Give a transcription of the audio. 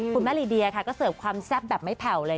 ลีเดียค่ะก็เสิร์ฟความแซ่บแบบไม่แผ่วเลย